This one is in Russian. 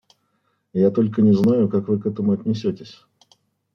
Я только не знаю, как Вы к этому отнесетесь.